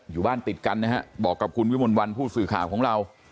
อยู่บ้านติดกันนะฮะบอกกับคุณวิมลวันผู้สื่อข่าวของเรา